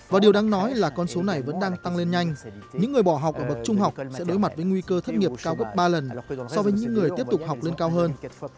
và điều đáng nói là con số này vẫn đang tăng lên nhanh những người bỏ học ở bậc trung học sẽ đối mặt với nguy cơ thất nghiệp cao gấp ba lần so với những người tiếp tục học lên cao hơn